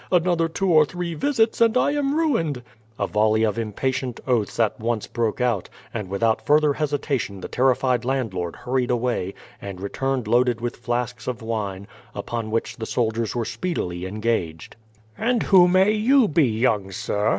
Another two or three visits, and I am ruined." A volley of impatient oaths at once broke out, and without further hesitation the terrified landlord hurried away, and returned loaded with flasks of wine, upon which the soldiers were speedily engaged. "And who may you be, young sir?"